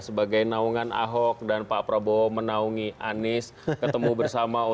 sebagai naungan ahok dan pak prabowo menaungi anies ketemu bersama